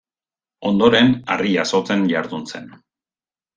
Ondoren, harri jasotzen jardun zen.